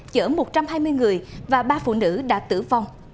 chở một trăm hai mươi người và ba phụ nữ đã tử vong